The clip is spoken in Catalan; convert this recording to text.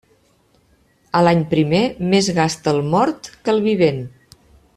A l'any primer més gasta el mort que el vivent.